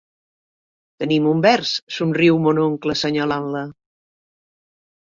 Tenim un vers, somriu mon oncle assenyalant-la.